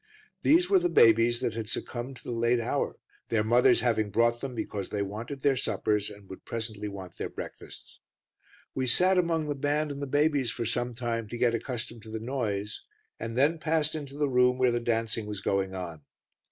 These were the babies that had succumbed to the late hour, their mothers having brought them because they wanted their suppers, and would presently want their breakfasts. We sat among the band and the babies for some time to get accustomed to the noise, and then passed into the room where the dancing was going on.